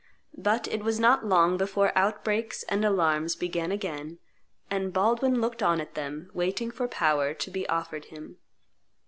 But it was not long before outbreaks and alarms began again; and Baldwin looked on at then, waiting for power to be offered him.